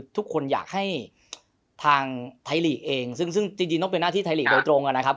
ทุกคนอยากให้ทางไทยลีกเองซึ่งจริงต้องเป็นหน้าที่ไทยลีกโดยตรงนะครับ